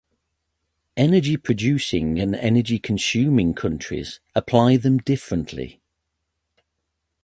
Energy producing and energy consuming countries apply them differently.